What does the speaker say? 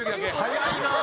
早いな。